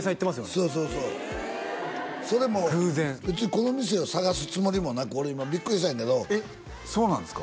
そうそうそうそれも偶然別にこの店を探すつもりもなく俺今ビックリしたんやけどえっそうなんですか？